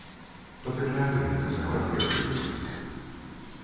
But the captain was out of hearing.